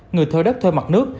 người thuê đất thuê mặt nước